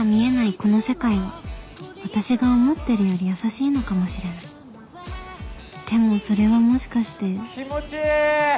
この世界は私が思ってるより優しいのかもしれないでもそれはもしかして気持ちいい！